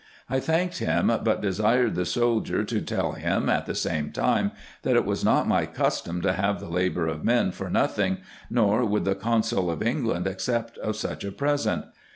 I thanked him, but desired the soldier to tell him, at the same time, that it was not my custom to have the labour of men for nothing, nor would the consul of England accept of such a present.